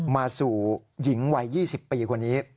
มาสู่หญิงวัย๒๐ปีคนนี้